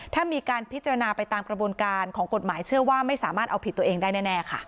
ถ้ามีการพิจารณาไปตามกระบวนการของกฎหมายเชื่อว่าไม่สามารถเอาผิดตัวเองได้แน่ค่ะ